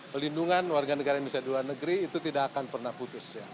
pelindungan warga negara indonesia di luar negeri itu tidak akan pernah putus